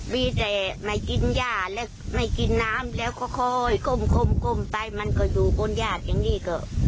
มีแต่ไม่กินย่าแล้วไม่กินน้ำแล้วก็ค่อยก้มไปมันก็อยู่บนญาติอย่างนี้ก็